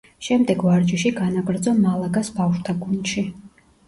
შემდეგ ვარჯიში განაგრძო „მალაგას“ ბავშვთა გუნდში.